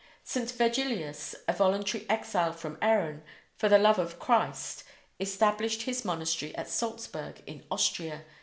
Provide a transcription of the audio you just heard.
St. Virgilius, a voluntary exile from Erin, "for the love of Christ", established his monastery at Salzburg, in Austria.